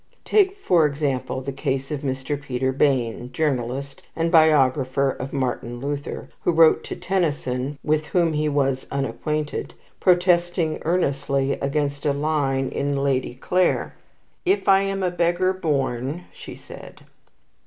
Take, for example, the case of Mr. Peter Bayne, journalist, and biographer of Martin Luther, who wrote to Tennyson, with whom he was unacquainted, protesting earnestly against a line in "Lady Clare": "'If I'm a beggar born,' she said."